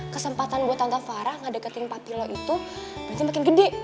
kesempatan buat tante farah ngedeketin empat pilo itu berarti makin gede